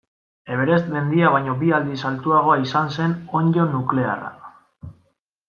Everest mendia baino bi aldiz altuagoa izan zen onddo nuklearra.